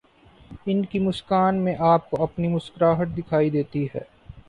ان کی مسکان میں آپ کو اپنی مسکراہٹ دکھائی دیتی ہے۔